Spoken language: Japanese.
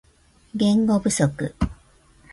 言語不足